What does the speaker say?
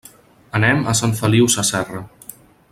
Anem a Sant Feliu Sasserra.